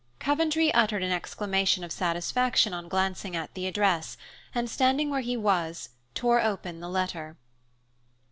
Coventry uttered an exclamation of satisfaction on glancing at the address and, standing where he was, tore open the letter.